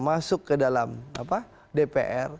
masuk ke dalam dpr